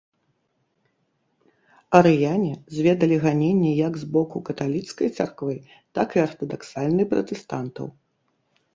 Арыяне зведалі ганенні як з боку каталіцкай царквы, так і артадаксальны пратэстантаў.